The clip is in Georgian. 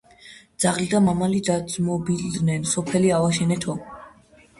ძაღლი და მამალი დაძმობილდენ: სოფელი ავაშენოთო.